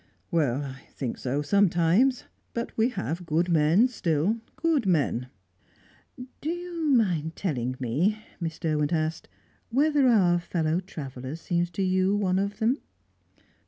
"Well, I think so sometimes. But we have good men still, good men." "Do you mind telling me," Miss Derwent asked, "whether our fellow traveller seems to you one of them?"